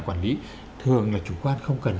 quản lý thường là chủ quan không cần